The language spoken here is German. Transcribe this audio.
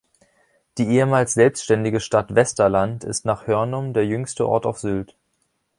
Die ehemals selbstständige "Stadt Westerland" ist nach Hörnum der jüngste Ort auf Sylt.